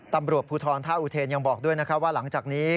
ตำรวจภูทรท่าอุเทนยังบอกด้วยนะครับว่าหลังจากนี้